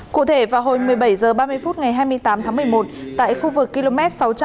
cụ thể vào hồi một mươi bảy h ba mươi phút ngày hai mươi tám tháng một mươi một tại khu vực km sáu trăm ba mươi bốn một trăm bảy mươi